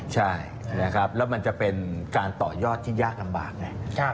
ใช่นะครับแล้วมันจะเป็นการต่อยอดที่ยากลำบากไง